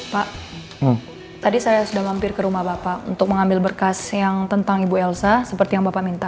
pak tadi saya sudah mampir ke rumah bapak untuk mengambil berkas yang tentang ibu elsa seperti yang bapak minta